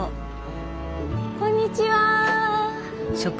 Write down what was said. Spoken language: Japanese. こんにちは。